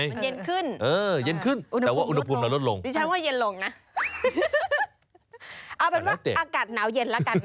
เอาเป็นว่าอากาศหนาวเย็นแล้วกันนะ